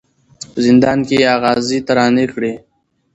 په زندان کي یې آغازي ترانې کړې